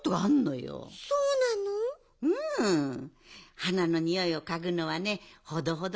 花のにおいをかぐのはねほどほどにしないとね。